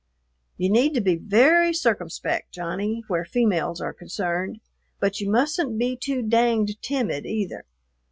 "You need to be very circumspect, Johnny, where females are concerned, but you mustn't be too danged timid either."